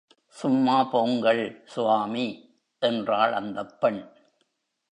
சும்மா போங்கள், சுவாமி என்றாள் அந்தப் பெண்.